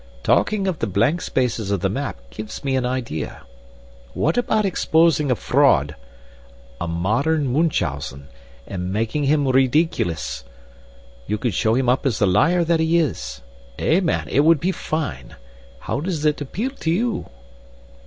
"Talking of the blank spaces of the map gives me an idea. What about exposing a fraud a modern Munchausen and making him rideeculous? You could show him up as the liar that he is! Eh, man, it would be fine. How does it appeal to you?"